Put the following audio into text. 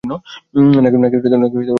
নাকি বার্নার্ডো রেগে ছিল না?